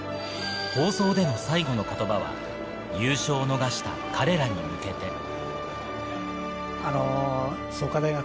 放送での最後の言葉は優勝を逃した彼らに向けて。